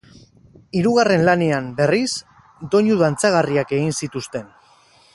Hirugarren lanean, berriz, doinu dantzagarriak egin zituzten.